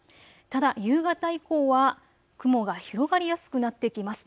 ただ夕方以降は雲が広がりやすくなってきます。